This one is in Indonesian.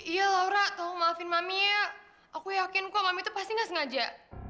iya laura tau maafin mami ya aku yakin kau mami tuh pasti nggak sengaja